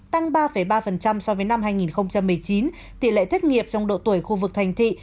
tăng ba ba so với năm hai nghìn một mươi chín tỷ lệ thất nghiệp trong độ tuổi khu vực thành thị